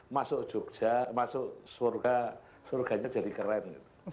masuk jogja masuk surga surganya jadi keren